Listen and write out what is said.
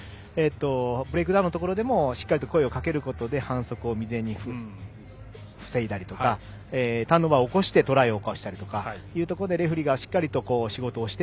ブレイクダウンのところでもしっかりと声をかけることで反則を未然に防いだりとかターンオーバーを起こしてトライしたりとかレフリーがしっかり仕事をして